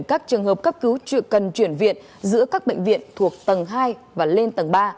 các trường hợp cấp cứu cần chuyển viện giữa các bệnh viện thuộc tầng hai và lên tầng ba